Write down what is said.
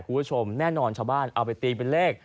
คุณผู้ชมแน่นอนชาวบ้านเอาไปตีเป็นเลข